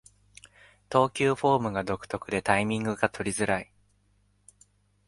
投球フォームが独特でタイミングが取りづらい